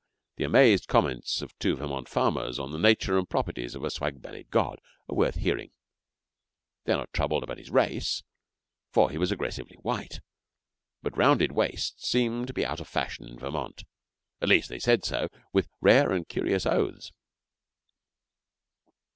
Now, the amazed comments of two Vermont farmers on the nature and properties of a swag bellied god are worth hearing. They were not troubled about his race, for he was aggressively white; but rounded waists seem to be out of fashion in Vermont. At least, they said so, with rare and curious oaths.